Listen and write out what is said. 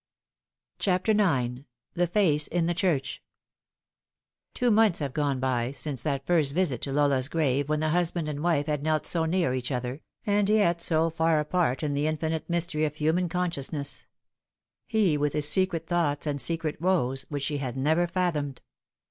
CHAPTER IX. THE FACE IN THE CHURCH. Two months had gone since that first visit to Lola's grave, when the husband and wife had knelt so near each other, and yet BO far apart in the infinite mystery of human consciousness ; he with his secret thoughts and secret woes, which she had never fathomed.